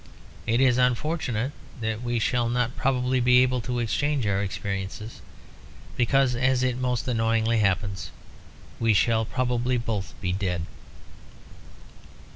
It is unfortunate that we shall not probably be able to exchange our experiences, because, as it most annoyingly happens, we shall probably both be dead."